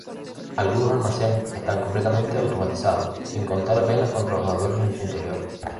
Algunos almacenes están completamente automatizados, sin contar apenas con trabajadores en su interior.